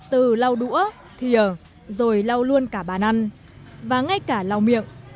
từ lau đũa thìa rồi lau luôn cả bàn ăn và ngay cả lau miệng